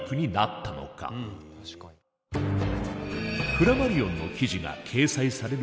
フラマリオンの記事が掲載される